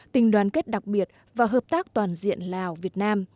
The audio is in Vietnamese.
tình đoàn kết đặc biệt và hợp tác toàn diện lào việt nam